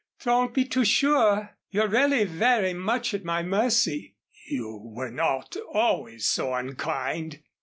"Don't be too sure. You're really very much at my mercy." "You were not always so unkind."